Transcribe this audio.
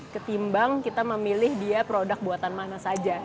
ketimbang kita memilih dia produk buatan mana saja